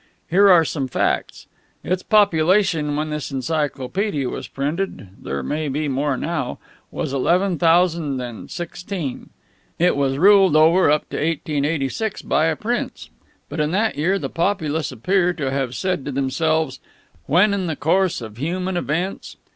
Here are some facts. Its population when this encyclopaedia was printed there may be more now was eleven thousand and sixteen. It was ruled over up to 1886 by a prince. But in that year the populace appear to have said to themselves, 'When in the course of human events....'